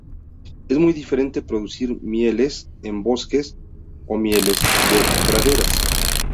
Es muy diferente producir mieles en bosques, o mieles de praderas.